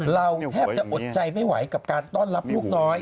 เราแทบจะอดใจไม่ไหวกับการต้อนรับลูกน้อย